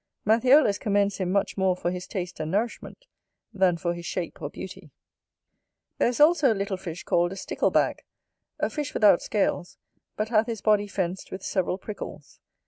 Matthiolus commends him much more for his taste and nourishment, than for his shape or beauty. There is also a little fish called a STICKLEBAG, a fish without scales, but hath his body fenced with several prickles.